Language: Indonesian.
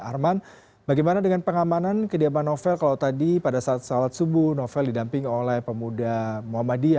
arman bagaimana dengan pengamanan kediaman novel kalau tadi pada saat salat subuh novel didamping oleh pemuda muhammadiyah